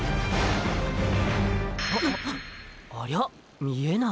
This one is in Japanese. ありゃっ見えない。